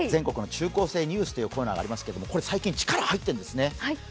中高生ニュース」というコーナーがありますけどこれ、最近力が入ってるんですね。